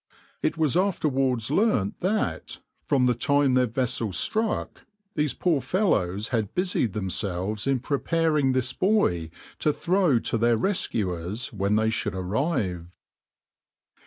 It was afterwards learnt that, from the time their vessel struck, these poor fellows had busied themselves in preparing this buoy to throw to their rescuers when they should arrive.